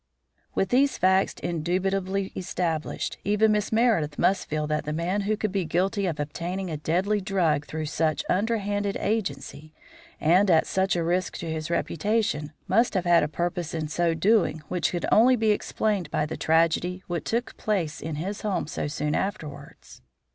With these facts indubitably established, even Miss Meredith must feel that the man who could be guilty of obtaining a deadly drug through such under handed agency, and at such a risk to his reputation, must have had a purpose in so doing which could only be explained by the tragedy which took place in his home so soon afterwards.